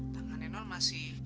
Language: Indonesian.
tanganin ol masih